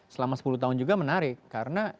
selama sepuluh tahun juga menarik karena